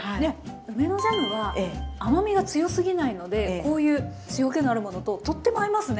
梅のジャムは甘みが強すぎないのでこういう塩気のあるものととっても合いますね。